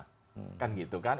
kan gitu kan